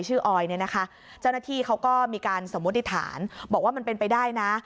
เจ้าหน้าที่เขาก็มีการสมมุติฐานบอกว่ามันเป็นไปได้นะ